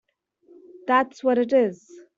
That’s what it is!